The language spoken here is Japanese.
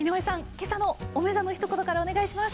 今朝のおめざのひと言からお願いします。